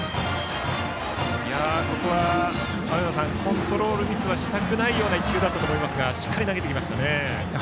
ここは青山さんコントロールミスはしたくないような１球だったと思いますがしっかり投げてきましたね。